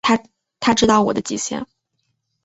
他知道我的极限